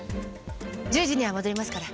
１０時には戻りますから。